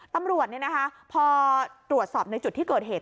ตำรวจเนี่ยนะคะพอตรวจสอบในจุดที่เกิดเหตุ